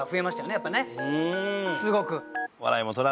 やっぱねすごく。